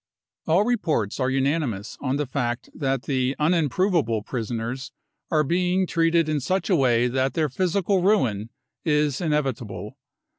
All reports are unanimous on the fact that the "unimprovable" prisoners are being treated in such a way that their physical ruin is inevitable.